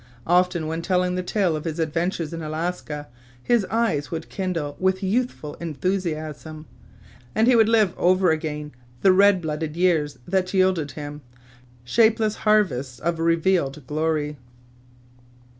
Often, when telling the tale of his adventures in Alaska, his eyes would kindle with youthful enthusiasm, and he would live over again the red blooded years that yielded him "shapeless harvests of revealed glory."